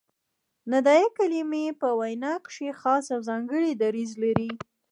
ندائیه کلیمې په ویناوو کښي خاص او ځانګړی دریځ لري.